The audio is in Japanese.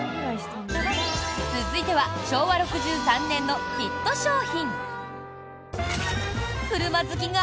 続いては昭和６３年のヒット商品！